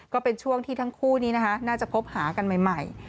ก็เป็นช่วงที่ทั้งคู่นี้นะคะน่าจะพบหากันใหม่